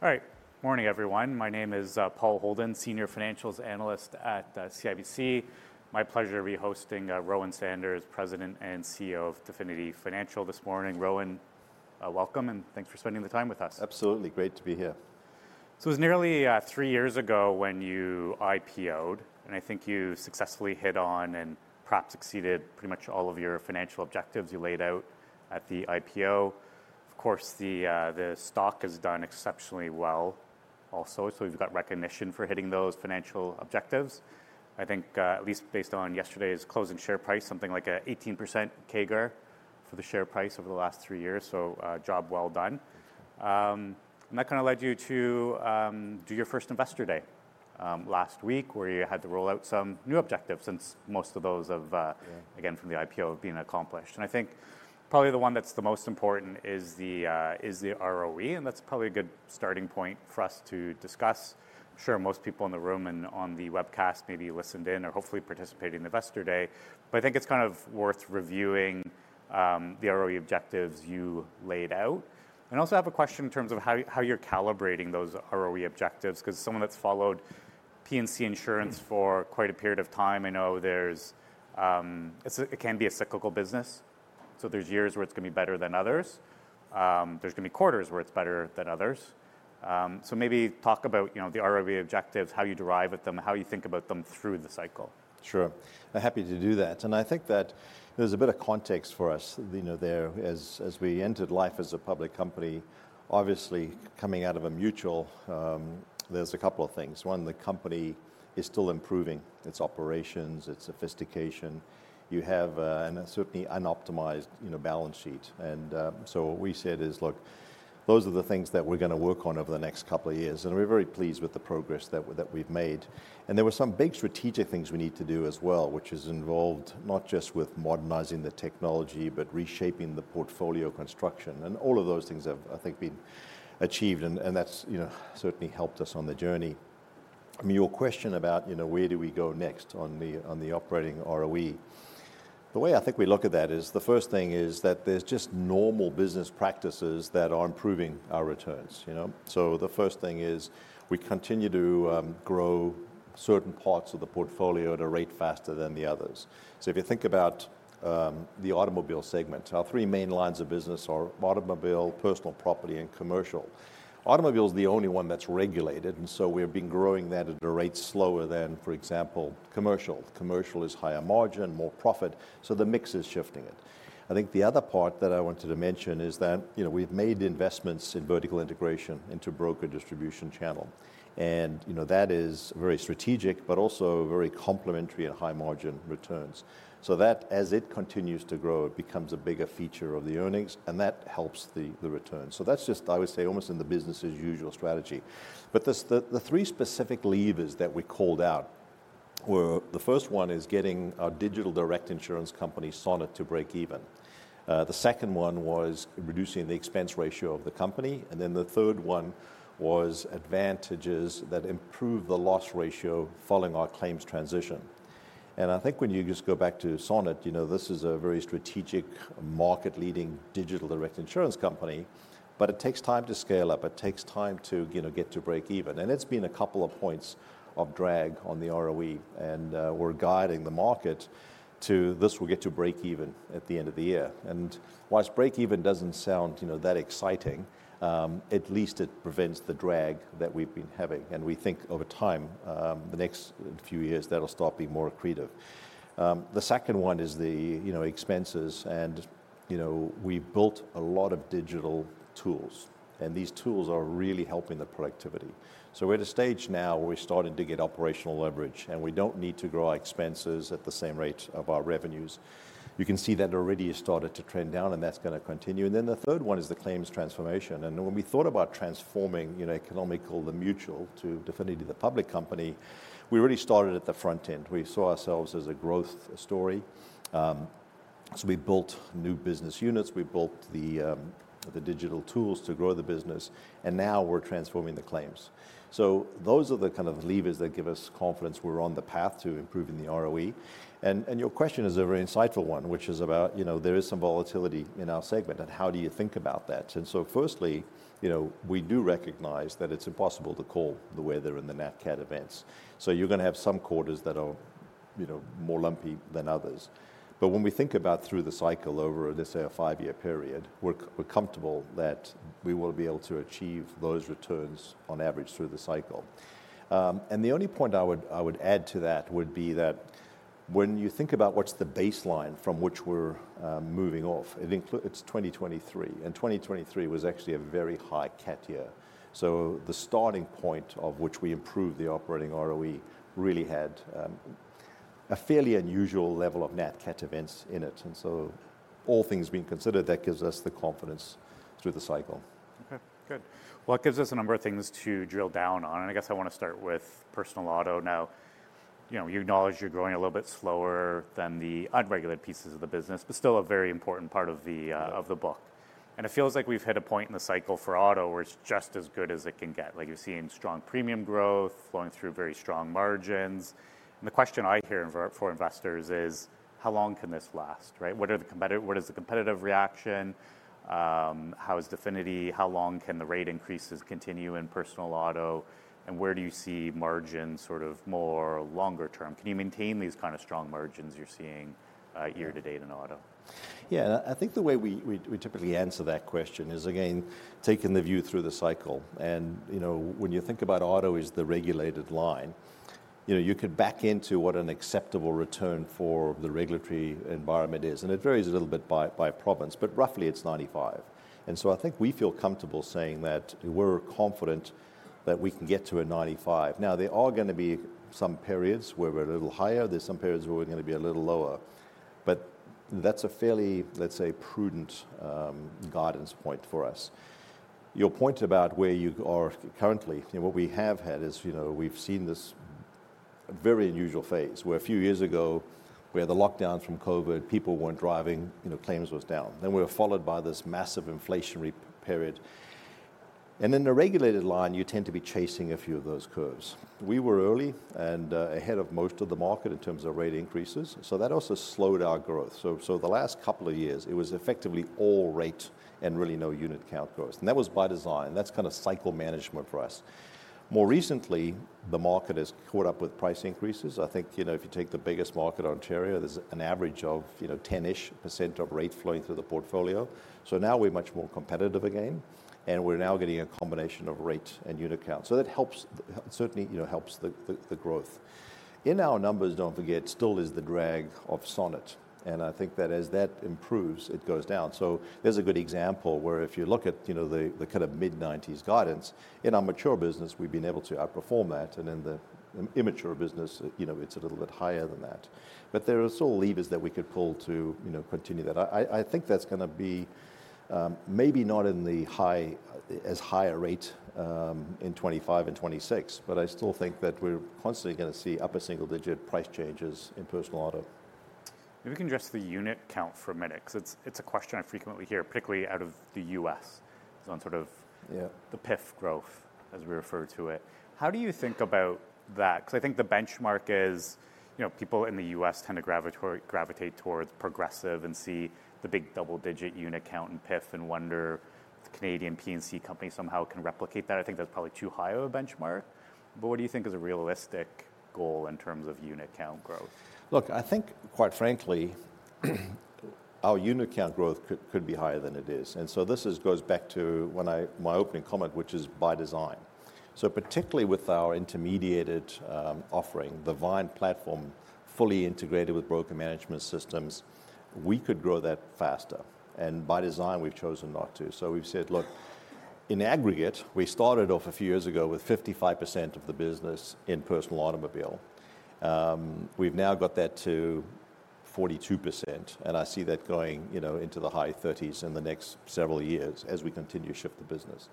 All right. Morning, everyone. My name is, Paul Holden, Senior Financials Analyst at, CIBC. My pleasure to be hosting, Rowan Saunders, President and CEO of Definity Financial this morning. Rowan, welcome, and thanks for spending the time with us. Absolutely, great to be here. So it was nearly three years ago when you IPO'd, and I think you successfully hit on and perhaps exceeded pretty much all of your financial objectives you laid out at the IPO. Of course, the stock has done exceptionally well also, so you've got recognition for hitting those financial objectives. I think, at least based on yesterday's closing share price, something like an 18% CAGR for the share price over the last three years, so a job well done. And that kind of led you to do your first Investor Day last week, where you had to roll out some new objectives, since most of those have- Yeah... again, from the IPO have been accomplished. I think probably the one that's the most important is the ROE, and that's probably a good starting point for us to discuss. I'm sure most people in the room and on the webcast maybe listened in or hopefully participated in Investor Day, but I think it's kind of worth reviewing the ROE objectives you laid out. I also have a question in terms of how you're calibrating those ROE objectives, 'cause as someone that's followed P&C insurance for quite a period of time, I know it can be a cyclical business, so there's years where it's gonna be better than others. There's gonna be quarters where it's better than others. Maybe talk about, you know, the ROE objectives, how you derive at them, and how you think about them through the cycle. Sure. I'm happy to do that, and I think that there's a bit of context for us, you know, there. As we entered life as a public company, obviously coming out of a mutual, there's a couple of things. One, the company is still improving its operations, its sophistication. You have a certainly unoptimized, you know, balance sheet. And so what we said is, "Look, those are the things that we're gonna work on over the next couple of years," and we're very pleased with the progress that we've made. And there were some big strategic things we need to do as well, which has involved not just with modernizing the technology, but reshaping the portfolio construction. And all of those things have, I think, been achieved, and that's, you know, certainly helped us on the journey. I mean, your question about, you know, where do we go next on the operating ROE, the way I think we look at that is, the first thing is that there's just normal business practices that are improving our returns, you know? So the first thing is we continue to grow certain parts of the portfolio at a rate faster than the others. So if you think about the automobile segment, our three main lines of business are automobile, personal property, and commercial. Automobile is the only one that's regulated, and so we've been growing that at a rate slower than, for example, commercial. Commercial is higher margin, more profit, so the mix is shifting it. I think the other part that I wanted to mention is that, you know, we've made investments in vertical integration into broker distribution channel. You know, that is very strategic, but also very complementary and high margin returns. So that, as it continues to grow, it becomes a bigger feature of the earnings, and that helps the returns. So that's just, I would say, almost in the business as usual strategy. But the three specific levers that we called out were, the first one is getting our digital direct insurance company, Sonnet, to break even. The second one was reducing the expense ratio of the company, and then the third one was advantages that improve the loss ratio following our claims transition. And I think when you just go back to Sonnet, you know, this is a very strategic, market-leading digital direct insurance company, but it takes time to scale up. It takes time to, you know, get to break even, and it's been a couple of points of drag on the ROE, and, we're guiding the market to this will get to break even at the end of the year. And whilst break even doesn't sound, you know, that exciting, at least it prevents the drag that we've been having, and we think over time, the next few years, that'll start being more accretive. The second one is the, you know, expenses, and, you know, we built a lot of digital tools, and these tools are really helping the productivity. So we're at a stage now where we're starting to get operational leverage, and we don't need to grow our expenses at the same rate of our revenues. You can see that already has started to trend down, and that's gonna continue. And then the third one is the claims transformation. And when we thought about transforming, you know, Economical, the mutual, to Definity, the public company, we really started at the front end. We saw ourselves as a growth story. So we built new business units, we built the digital tools to grow the business, and now we're transforming the claims. So those are the kind of levers that give us confidence we're on the path to improving the ROE. And your question is a very insightful one, which is about, you know, there is some volatility in our segment, and how do you think about that? And so firstly, you know, we do recognize that it's impossible to call the weather in the nat cat events, so you're gonna have some quarters that are, you know, more lumpy than others. But when we think about through the cycle over, let's say, a five-year period, we're comfortable that we will be able to achieve those returns on average through the cycle. And the only point I would add to that would be that when you think about what's the baseline from which we're moving off, it's twenty twenty-three, and twenty twenty-three was actually a very high cat year. So the starting point of which we improved the operating ROE really had a fairly unusual level of nat cat events in it, and so all things being considered, that gives us the confidence through the cycle. Okay, good. Well, it gives us a number of things to drill down on, and I guess I want to start with personal auto. Now, you know, you acknowledge you're growing a little bit slower than the unregulated pieces of the business, but still a very important part of the book... and it feels like we've hit a point in the cycle for auto, where it's just as good as it can get. Like, you're seeing strong premium growth, flowing through very strong margins, and the question I hear from investors is: how long can this last, right? What is the competitive reaction? How is Definity, how long can the rate increases continue in personal auto, and where do you see margins sort of in the longer term? Can you maintain these kind of strong margins you're seeing, year to date in auto? Yeah, and I think the way we typically answer that question is, again, taking the view through the cycle. And, you know, when you think about auto as the regulated line, you know, you could back into what an acceptable return for the regulatory environment is, and it varies a little bit by province, but roughly it's 95%. And so I think we feel comfortable saying that we're confident that we can get to a 95%. Now, there are gonna be some periods where we're a little higher, there's some periods where we're gonna be a little lower, but that's a fairly, let's say, prudent guidance point for us. Your point about where you are currently, and what we have had is, you know, we've seen this very unusual phase, where a few years ago, where the lockdowns from COVID, people weren't driving, you know, claims was down, then we were followed by this massive inflationary period, and in the regulated line, you tend to be chasing a few of those curves. We were early and ahead of most of the market in terms of rate increases, so that also slowed our growth, so the last couple of years, it was effectively all rate and really no unit count growth, and that was by design. That's kind of cycle management for us. More recently, the market has caught up with price increases. I think, you know, if you take the biggest market, Ontario, there's an average of, you know, 10-ish% of rate flowing through the portfolio. So now we're much more competitive again, and we're now getting a combination of rate and unit count. So that helps, certainly, you know, helps the growth. In our numbers, don't forget, still is the drag of Sonnet, and I think that as that improves, it goes down. So there's a good example where if you look at, you know, the kind of mid-nineties guidance, in our mature business, we've been able to outperform that, and in the immature business, you know, it's a little bit higher than that. But there are still levers that we could pull to, you know, continue that. I think that's gonna be maybe not in the high, as high a rate, in 2025 and 2026, but I still think that we're constantly gonna see upper single digit price changes in personal auto. Maybe we can address the unit count for a minute, 'cause it's, it's a question I frequently hear, particularly out of the U.S., on sort of- Yeah... the PIF growth as we refer to it. How do you think about that? 'Cause I think the benchmark is, you know, people in the US tend to gravitate towards Progressive and see the big double-digit unit count in PIF and wonder if the Canadian P&C company somehow can replicate that. I think that's probably too high of a benchmark, but what do you think is a realistic goal in terms of unit count growth? Look, I think quite frankly, our unit count growth could be higher than it is. And so this goes back to when I my opening comment, which is by design. So particularly with our intermediated offering, the Vyne platform, fully integrated with broker management systems, we could grow that faster, and by design, we've chosen not to. So we've said, look, in aggregate, we started off a few years ago with 55% of the business in personal automobile. We've now got that to 42%, and I see that going, you know, into the high thirties in the next several years as we continue to shift the business.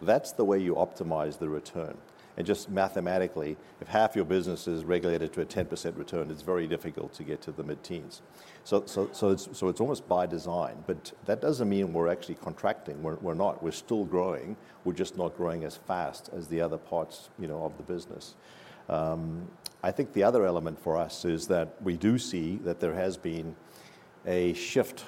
That's the way you optimize the return. And just mathematically, if half your business is regulated to a 10% return, it's very difficult to get to the mid-teens. So it's almost by design, but that doesn't mean we're actually contracting. We're not. We're still growing, we're just not growing as fast as the other parts, you know, of the business. I think the other element for us is that we do see that there has been a shift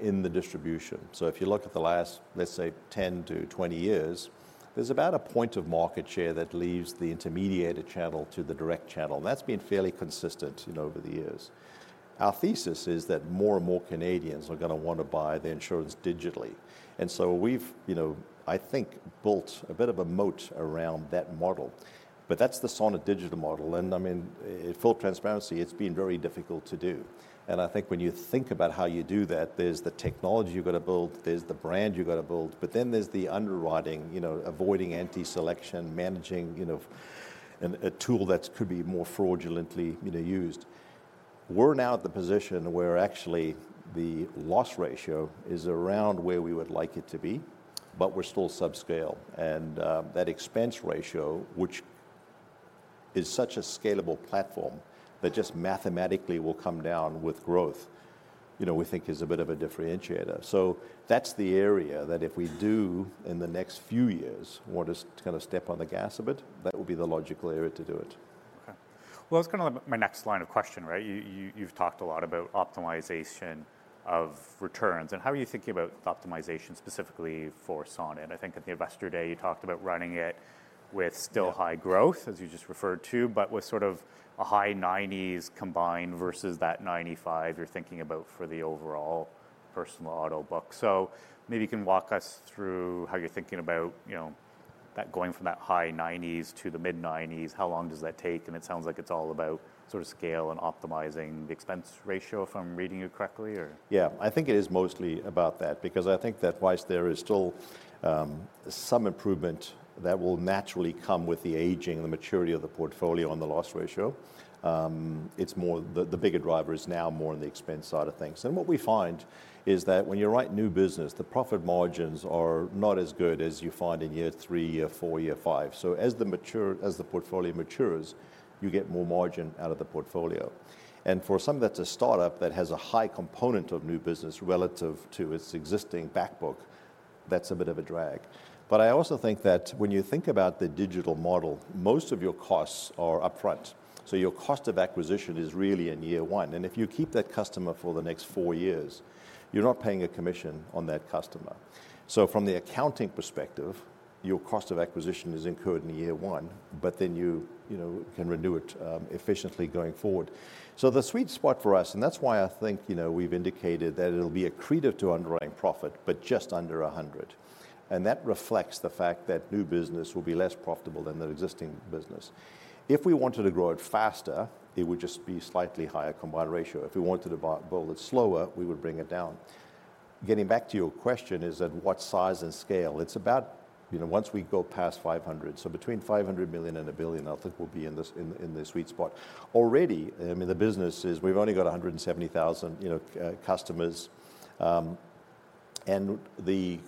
in the distribution. So if you look at the last, let's say, 10 to 20 years, there's about a point of market share that leaves the intermediated channel to the direct channel, and that's been fairly consistent, you know, over the years. Our thesis is that more and more Canadians are gonna want to buy their insurance digitally, and so we've, you know, I think, built a bit of a moat around that model, but that's the Sonnet digital model, and I mean, in full transparency, it's been very difficult to do. I think when you think about how you do that, there's the technology you've got to build, there's the brand you've got to build, but then there's the underwriting, you know, avoiding anti-selection, managing, you know, a tool that could be more fraudulently, you know, used. We're now at the position where actually the loss ratio is around where we would like it to be, but we're still subscale. That expense ratio, which is such a scalable platform, that just mathematically will come down with growth, you know, we think is a bit of a differentiator. That's the area that if we do in the next few years, want to kind of step on the gas a bit, that will be the logical area to do it. Okay. That's kind of my next line of question, right? You've talked a lot about optimization of returns, and how are you thinking about optimization specifically for Sonnet? I think at the investor day, you talked about running it with still high growth, as you just referred to, but with sort of a high nineties combined versus that ninety-five you're thinking about for the overall personal auto book. So maybe you can walk us through how you're thinking about, you know, that going from that high nineties to the mid-nineties, how long does that take? And it sounds like it's all about sort of scale and optimizing the expense ratio, if I'm reading you correctly? Yeah, I think it is mostly about that, because I think that while there is still some improvement that will naturally come with the aging and the maturity of the portfolio on the loss ratio, it's more the bigger driver is now more on the expense side of things. And what we find is that when you write new business, the profit margins are not as good as you find in year three, year four, year five. So as the portfolio matures, you get more margin out of the portfolio. And for some, that's a startup that has a high component of new business relative to its existing back book. That's a bit of a drag. I also think that when you think about the digital model, most of your costs are upfront, so your cost of acquisition is really in year one, and if you keep that customer for the next four years, you're not paying a commission on that customer. From the accounting perspective, your cost of acquisition is incurred in year one, but then you, you know, can renew it efficiently going forward. The sweet spot for us, and that's why I think, you know, we've indicated that it'll be accretive to underwriting profit, but just under a hundred. That reflects the fact that new business will be less profitable than the existing business. If we wanted to grow it faster, it would just be slightly higher combined ratio. If we wanted to build it slower, we would bring it down. Getting back to your question, is at what size and scale? It's about, you know, once we go past 500, so between 500 million and 1 billion, I think we'll be in the sweet spot. Already, I mean, the business is we've only got 170,000, you know, customers, and the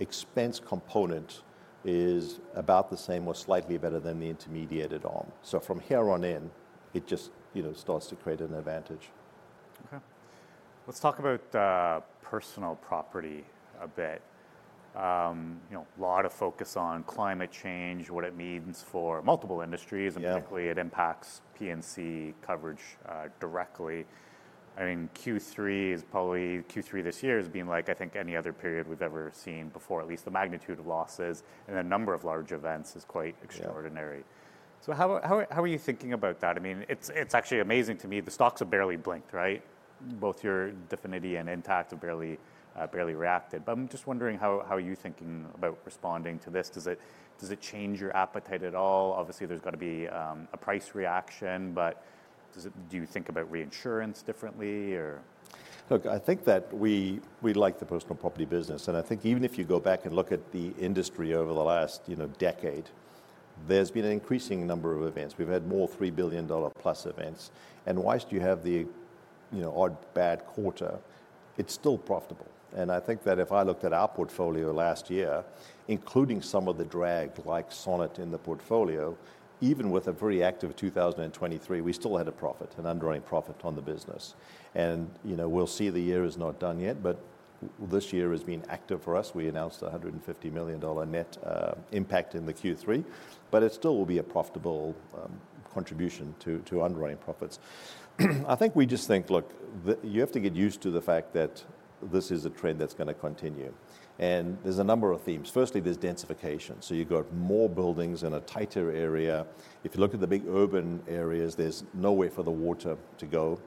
expense component is about the same or slightly better than the intermediated arm. So from here on in, it just, you know, starts to create an advantage. Okay. Let's talk about personal property a bit. You know, a lot of focus on climate change, what it means for multiple industries- Yeah. -and particularly it impacts P&C coverage, directly. I mean, Q3 is probably... Q3 this year has been like, I think, any other period we've ever seen before, at least the magnitude of losses and the number of large events is quite extraordinary. Yeah. So how are you thinking about that? I mean, it's actually amazing to me, the stocks have barely blinked, right? Both your Definity and Intact have barely reacted. But I'm just wondering how are you thinking about responding to this? Does it change your appetite at all? Obviously, there's gonna be a price reaction, but do you think about reinsurance differently, or? Look, I think that we like the personal property business, and I think even if you go back and look at the industry over the last, you know, decade, there's been an increasing number of events. We've had more three billion-dollar-plus events, and while you have the, you know, odd bad quarter, it's still profitable. I think that if I looked at our portfolio last year, including some of the drag like Sonnet in the portfolio, even with a very active 2023, we still had a profit, an underwriting profit on the business. You know, we'll see the year is not done yet, but this year has been active for us. We announced a 150 million dollar net impact in the Q3, but it still will be a profitable contribution to underwriting profits. I think we just think, look, you have to get used to the fact that this is a trend that's gonna continue, and there's a number of themes. Firstly, there's densification. So you've got more buildings in a tighter area. If you look at the big urban areas, there's nowhere for the water to go.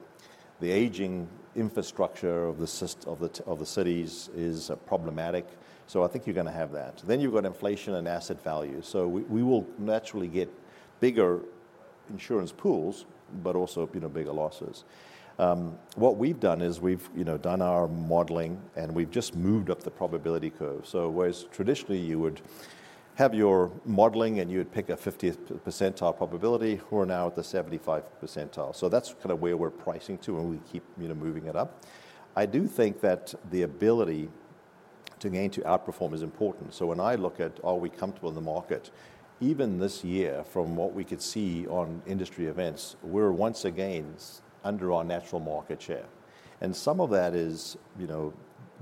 The aging infrastructure of the system of the cities is problematic. So I think you're gonna have that. Then you've got inflation and asset value. So we will naturally get bigger insurance pools, but also, you know, bigger losses. What we've done is we've, you know, done our modeling, and we've just moved up the probability curve. So whereas traditionally you would have your modeling and you would pick a fiftieth percentile probability, we're now at the seventy-five percentile. So that's kind of where we're pricing to, and we keep, you know, moving it up. I do think that the ability to gain, to outperform is important. So when I look at are we comfortable in the market, even this year, from what we could see on industry events, we're once again under our natural market share. And some of that is, you know,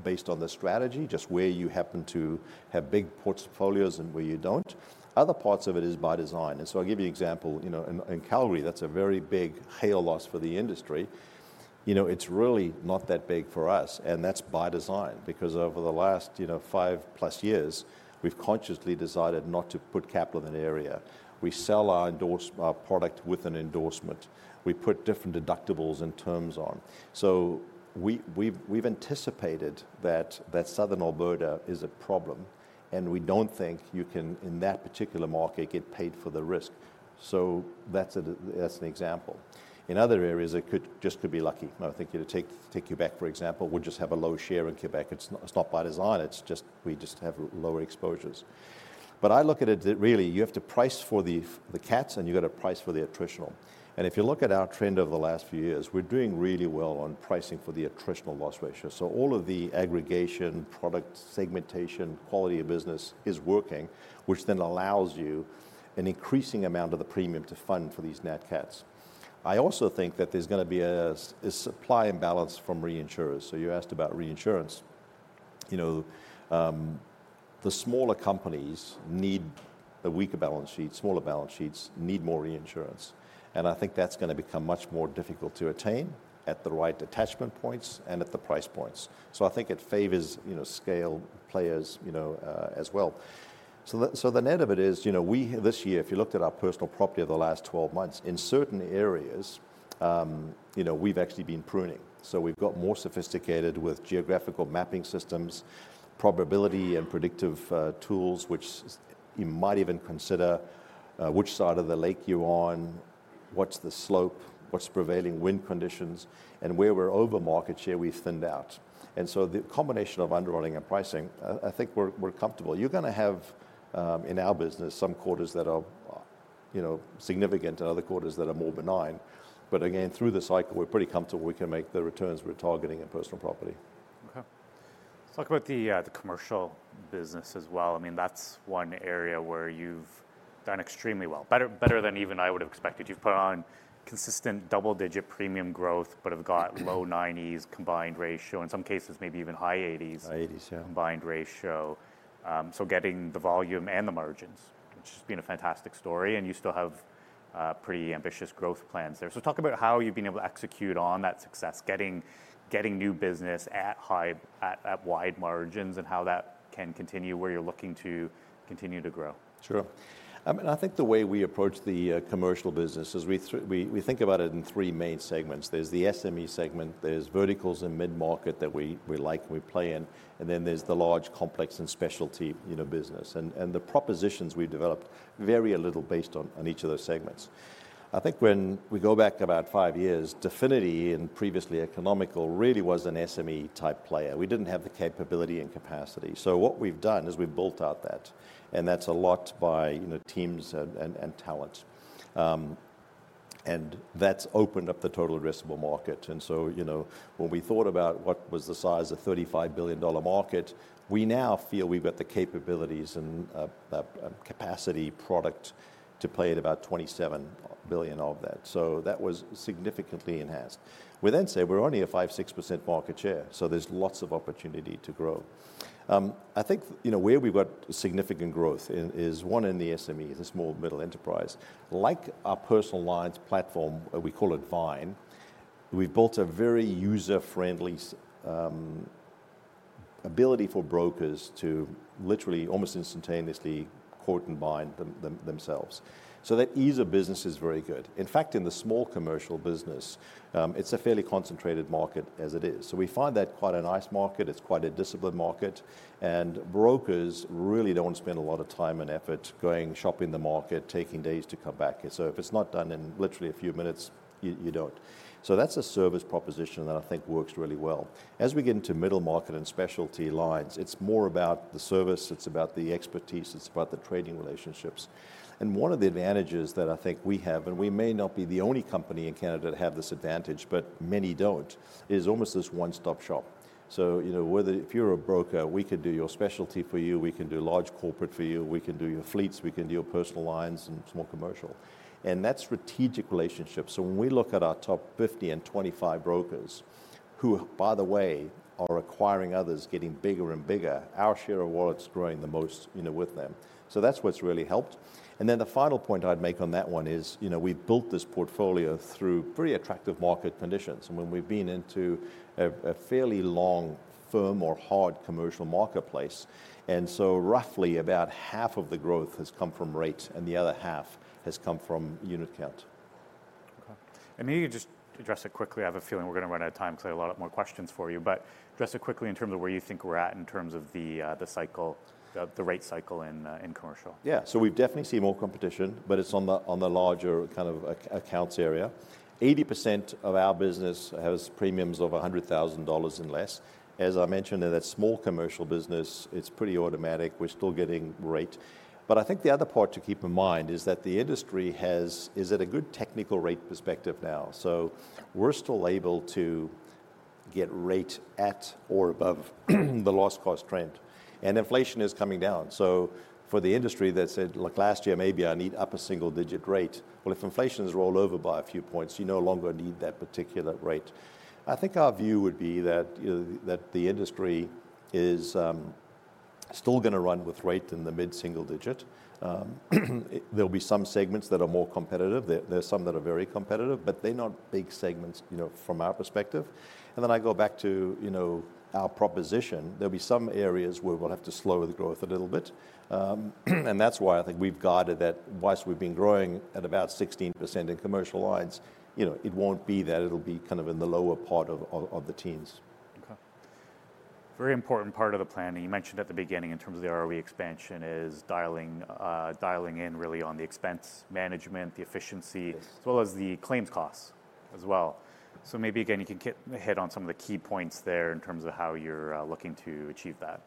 based on the strategy, just where you happen to have big portfolios and where you don't. Other parts of it is by design, and so I'll give you an example. You know, in Calgary, that's a very big hail loss for the industry. You know, it's really not that big for us, and that's by design, because over the last, you know, five plus years, we've consciously decided not to put capital in that area. We sell our product with an endorsement. We put different deductibles and terms on. So we've anticipated that southern Alberta is a problem, and we don't think you can, in that particular market, get paid for the risk. So that's an example. In other areas, it could just be lucky. I think you take Quebec, for example. We just have a low share in Quebec. It's not by design. It's just we have lower exposures. But I look at it that really you have to price for the cats, and you've got to price for the attritional. And if you look at our trend over the last few years, we're doing really well on pricing for the attritional loss ratio. So all of the aggregation, product segmentation, quality of business is working, which then allows you an increasing amount of the premium to fund for these nat cats. I also think that there's gonna be a supply imbalance from reinsurers. So you asked about reinsurance. You know, the smaller companies need a weaker balance sheet, smaller balance sheets need more reinsurance, and I think that's gonna become much more difficult to attain at the right attachment points and at the price points. So I think it favors, you know, scale players, you know, as well. So the net of it is, you know, we this year, if you looked at our personal property over the last twelve months, in certain areas, you know, we've actually been pruning. We've got more sophisticated with geographical mapping systems, probability and predictive tools, which you might even consider which side of the lake you're on, what's the slope, what's the prevailing wind conditions, and where we're over market share, we thinned out. The combination of underwriting and pricing, I think we're comfortable. You're gonna have in our business some quarters that are you know significant and other quarters that are more benign, but again, through the cycle, we're pretty comfortable we can make the returns we're targeting in personal property. Okay. Let's talk about the commercial business as well. I mean, that's one area where you've done extremely well. Better, better than even I would have expected. You've put on consistent double-digit premium growth, but have got low nineties combined ratio, in some cases, maybe even high eighties- High eighties, yeah. -combined ratio, so getting the volume and the margins, which has been a fantastic story, and you still have pretty ambitious growth plans there. So talk about how you've been able to execute on that success, getting new business at high, wide margins, and how that can continue, where you're looking to continue to grow. Sure. And I think the way we approach the commercial business is we think about it in three main segments. There's the SME segment, there's verticals and mid-market that we like, and we play in, and then there's the large, complex, and specialty, you know, business. And the propositions we've developed vary a little based on each of those segments. I think when we go back about five years, Definity and previously Economical really was an SME-type player. We didn't have the capability and capacity. So what we've done is we've built out that, and that's a lot by, you know, teams and talent. And that's opened up the total addressable market, and so, you know, when we thought about what was the size of 35 billion dollar market, we now feel we've got the capabilities and capacity product to play at about 27 billion of that. That was significantly enhanced. We then say we're only a 5-6% market share, so there's lots of opportunity to grow. I think, you know, where we've got significant growth in is one, in the SMEs, the small and medium enterprise. Like our personal lines platform, we call it Vyne, we've built a very user-friendly ability for brokers to literally almost instantaneously quote and bind themselves. That ease of business is very good. In fact, in the small commercial business, it's a fairly concentrated market as it is. We find that quite a nice market. It's quite a disciplined market, and brokers really don't want to spend a lot of time and effort going shopping the market, taking days to come back. So if it's not done in literally a few minutes, you don't. So that's a service proposition that I think works really well. As we get into middle market and specialty lines, it's more about the service. It's about the expertise. It's about the trading relationships. And one of the advantages that I think we have, and we may not be the only company in Canada to have this advantage, but many don't, is almost this one-stop shop. So, you know, whether if you're a broker, we can do your specialty for you, we can do large corporate for you, we can do your fleets, we can do your personal lines and small commercial, and that's strategic relationships. So when we look at our top 50 and 25 brokers, who, by the way, are acquiring others, getting bigger and bigger, our share of wallets growing the most, you know, with them. So that's what's really helped. And then the final point I'd make on that one is, you know, we've built this portfolio through pretty attractive market conditions, and when we've been into a fairly long, firm or hard commercial marketplace, and so roughly about half of the growth has come from rate, and the other half has come from unit count. Okay, and maybe you just address it quickly. I have a feeling we're going to run out of time, because I have a lot of more questions for you, but address it quickly in terms of where you think we're at in terms of the cycle, the rate cycle in commercial. Yeah. So we've definitely seen more competition, but it's on the larger kind of accounts area. 80% of our business has premiums of 100,000 dollars and less. As I mentioned, in that small commercial business, it's pretty automatic. We're still getting rate. But I think the other part to keep in mind is that the industry is at a good technical rate perspective now. So we're still able to get rate at or above the loss cost trend, and inflation is coming down. So for the industry that said, "Look, last year, maybe I need up a single-digit rate," well, if inflation is rolled over by a few points, you no longer need that particular rate. I think our view would be that, you know, that the industry is still gonna run with rate in the mid-single digit. There'll be some segments that are more competitive. There are some that are very competitive, but they're not big segments, you know, from our perspective. And then I go back to, you know, our proposition. There'll be some areas where we'll have to slow the growth a little bit. And that's why I think we've guided that whilst we've been growing at about 16% in commercial lines, you know, it won't be that it'll be kind of in the lower part of the teens. Okay. Very important part of the planning. You mentioned at the beginning in terms of the ROE expansion, is dialing in really on the expense management, the efficiency- Yes... as well as the claims costs as well. So maybe again, you can get hit on some of the key points there in terms of how you're looking to achieve that.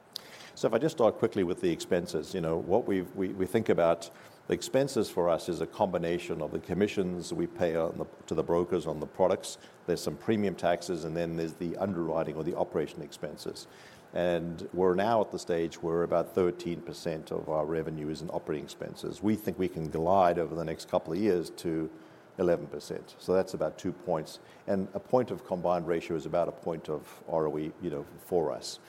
So if I just start quickly with the expenses, you know, what we think about the expenses for us is a combination of the commissions we pay on the, to the brokers on the products. There's some premium taxes, and then there's the underwriting or the operation expenses. We're now at the stage where about 13% of our revenue is in operating expenses. We think we can glide over the next couple of years to 11%, so that's about two points. A point of combined ratio is about a point of ROE, you know, for us.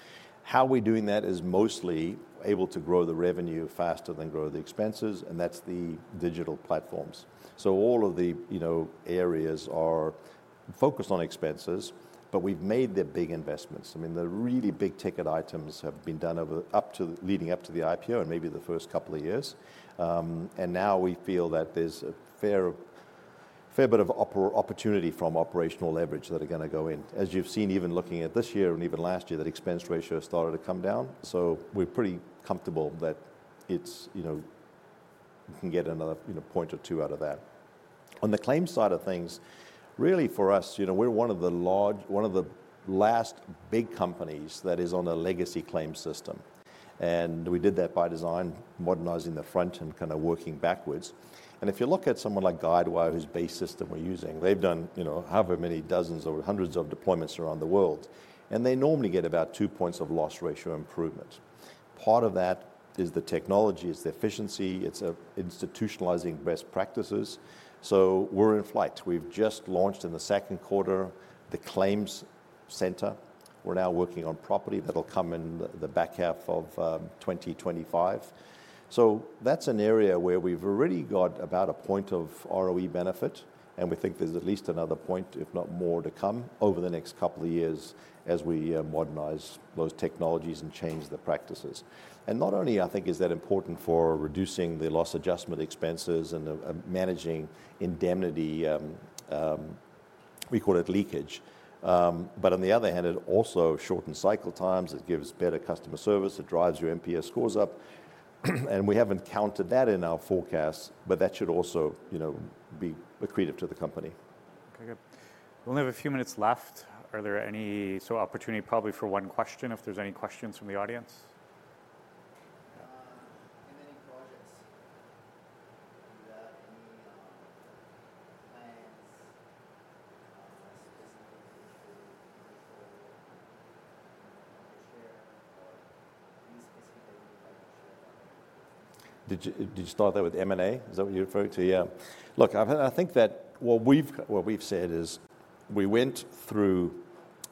How we're doing that is mostly able to grow the revenue faster than grow the expenses, and that's the digital platforms. So all of the, you know, areas are focused on expenses, but we've made the big investments. I mean, the really big-ticket items have been done over... Up to, leading up to the IPO and maybe the first couple of years, and now we feel that there's a fair bit of opportunity from operational leverage that are gonna go in. As you've seen, even looking at this year and even last year, that expense ratio has started to come down, so we're pretty comfortable that it's, you know, we can get another, you know, point or two out of that. On the claims side of things, really for us, you know, we're one of the last big companies that is on a legacy claims system, and we did that by design, modernizing the front and kind of working backwards.... And if you look at someone like Guidewire, whose base system we're using, they've done, you know, however many dozens or hundreds of deployments around the world, and they normally get about two points of loss ratio improvement. Part of that is the technology, it's the efficiency, it's institutionalizing best practices. So we're in flight. We've just launched in the second quarter the ClaimCenter. We're now working on property that'll come in the back half of twenty twenty-five. So that's an area where we've already got about a point of ROE benefit, and we think there's at least another point, if not more, to come over the next couple of years as we modernize those technologies and change the practices. Not only I think is that important for reducing the loss adjustment expenses and, managing indemnity, we call it leakage, but on the other hand, it also shortens cycle times. It gives better customer service, it drives your NPS scores up, and we haven't counted that in our forecast, but that should also, you know, be accretive to the company. Okay, good. We only have a few minutes left. So, opportunity probably for one question, if there's any questions from the audience? Any major projects, are there any plans, or specifically you want to share, or any specifically you'd like to share? Did you start that with M&A? Is that what you're referring to? Yeah. Look, I think that what we've said is we went through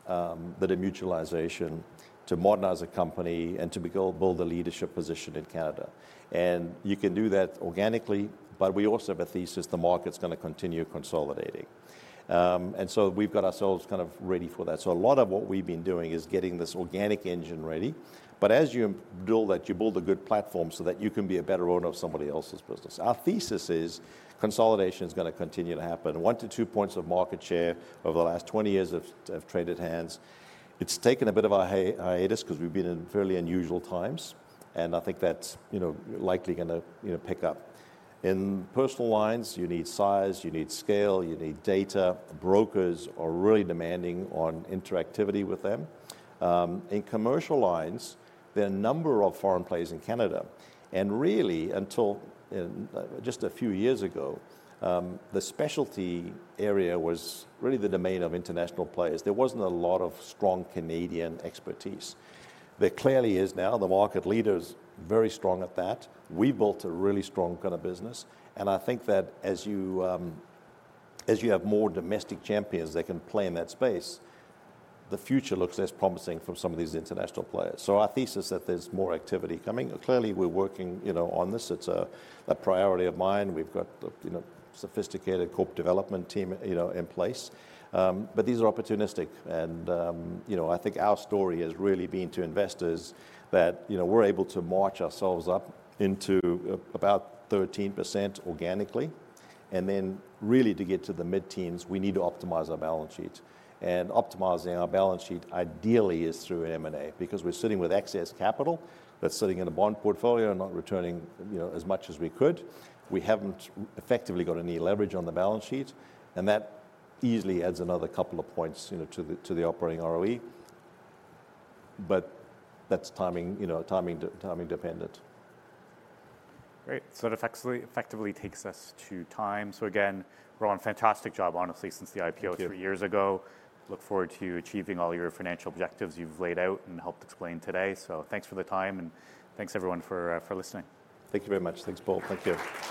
the demutualization to modernize the company and to build a leadership position in Canada, and you can do that organically, but we also have a thesis the market's going to continue consolidating, and so we've got ourselves kind of ready for that. So a lot of what we've been doing is getting this organic engine ready, but as you build that, you build a good platform so that you can be a better owner of somebody else's business. Our thesis is consolidation is going to continue to happen. One to two points of market share over the last 20 years have traded hands. It's taken a bit of a hiatus because we've been in fairly unusual times, and I think that's, you know, likely going to, you know, pick up. In personal lines, you need size, you need scale, you need data. Brokers are really demanding on interactivity with them. In commercial lines, there are a number of foreign players in Canada, and really, until in just a few years ago, the specialty area was really the domain of international players. There wasn't a lot of strong Canadian expertise. There clearly is now. The market leader is very strong at that. We built a really strong kind of business, and I think that as you have more domestic champions that can play in that space, the future looks less promising for some of these international players. So our thesis is that there's more activity coming. Clearly, we're working, you know, on this. It's a priority of mine. We've got, you know, sophisticated corp development team, you know, in place. But these are opportunistic, and, you know, I think our story has really been to investors that, you know, we're able to march ourselves up into about 13% organically, and then really to get to the mid-teens, we need to optimize our balance sheet. And optimizing our balance sheet ideally is through an M&A, because we're sitting with excess capital that's sitting in a bond portfolio and not returning, you know, as much as we could. We haven't effectively got any leverage on the balance sheet, and that easily adds another couple of points, you know, to the operating ROE, but that's timing, you know, timing, timing dependent. Great. So that effectively takes us to time. So again, Rowan, fantastic job, honestly, since the IPO three years ago. Thank you. Look forward to achieving all your financial objectives you've laid out and helped explain today, so thanks for the time, and thanks, everyone, for listening. Thank you very much. Thanks, Paul. Thank you.